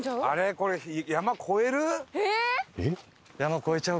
これ山越える？